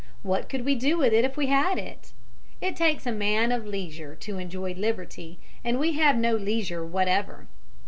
What could we do with it if we had it? It takes a man of leisure to enjoy liberty, and we have no leisure whatever.